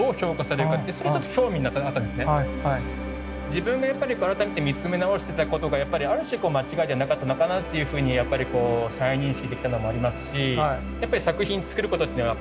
自分がやっぱり改めて見つめ直してたことがある種間違いではなかったのかなというふうにやっぱり再認識できたのもありますしやっぱり作品作ることっていうのは終わりは決してないので。